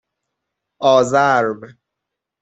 آزرم